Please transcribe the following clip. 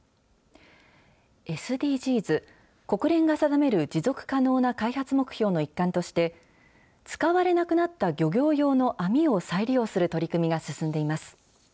ＳＤＧｓ・国連が定める持続可能な開発目標の一環として、使われなくなった漁業用の網を再利用する取り組みが進んでいます。